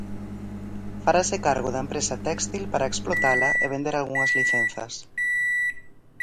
Farase cargo da empresa téxtil para explotala e vender algunhas licenzas.